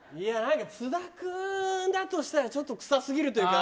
津田君だとしたらちょっと臭すぎるというか。